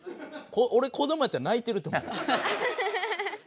おれ子どもやったら泣いてると思う。